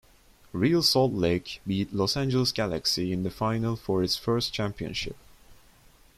Real Salt Lake beat Los Angeles Galaxy in the final for its first championship.